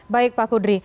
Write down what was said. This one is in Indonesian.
baik pak kudri